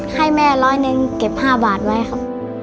ให้แม่ร้อยหนึ่งเก็บ๕บาทไว้ครับ